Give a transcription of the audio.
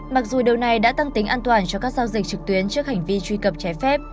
mặc dù điều này đã tăng tính an toàn cho các giao dịch trực tuyến trước hành vi truy cập trái phép